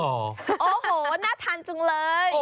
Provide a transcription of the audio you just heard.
โอ้โหน่าทานจังเลย